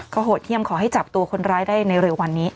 โหดเยี่ยมขอให้จับตัวคนร้ายได้ในเร็ววันนี้